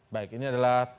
baik ini adalah